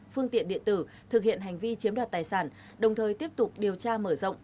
phương tiện điện tử thực hiện hành vi chiếm đoạt tài sản đồng thời tiếp tục điều tra mở rộng